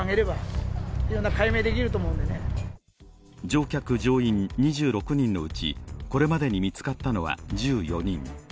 乗客・乗員２６人のうちこれまでに見つかったのは１４人。